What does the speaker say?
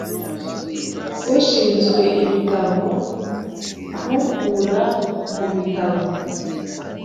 Ushinzwe ibitabo ukura mubitabo.